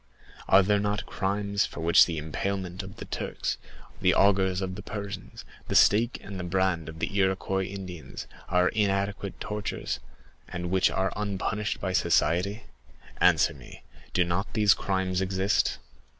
Are there not crimes for which the impalement of the Turks, the augers of the Persians, the stake and the brand of the Iroquois Indians, are inadequate tortures, and which are unpunished by society? Answer me, do not these crimes exist?"